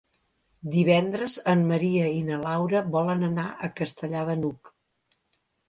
Divendres en Maria i na Laura volen anar a Castellar de n'Hug.